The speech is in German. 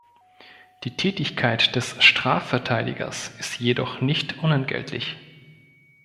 Die Tätigkeit des Strafverteidigers ist jedoch nicht unentgeltlich.